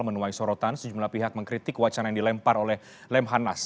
menuai sorotan sejumlah pihak mengkritik wacana yang dilempar oleh lemhanas